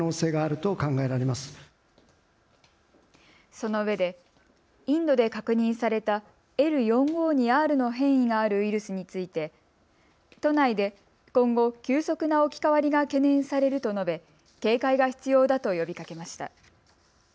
そのうえでインドで確認されたＬ４５２Ｒの変異があるウイルスについて都内で今後、急速な置き換わりが懸念されると述べ警戒が必要だと呼びかけました。